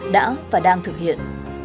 đã và đang thực hiện